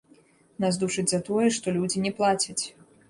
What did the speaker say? Нас душаць за тое, што людзі не плацяць.